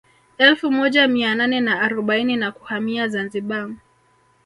Elfu moja mia nane na arobaini na kuhamia Zanzibar